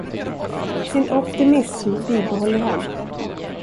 Sin optimism bibehåller han.